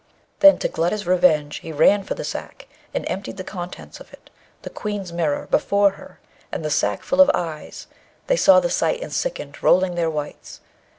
Then, to glut his revenge he ran for the sack, and emptied the contents of it, the Queen's mirror, before her; and the sackful of eyes, they saw the sight, and sickened, rolling their whites.